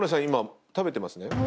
今食べてますね。